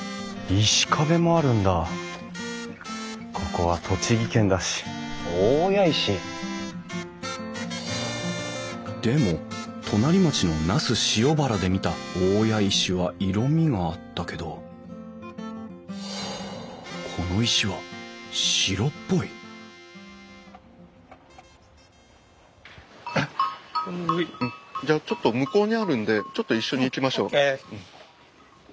ここは栃木県だし大谷石？でも隣町の那須塩原で見た大谷石は色みがあったけどこの石は白っぽいじゃあちょっと向こうにあるんでちょっと一緒に行きましょう。